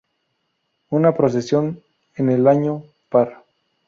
Una procesión en el año par.